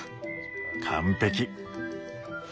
完璧。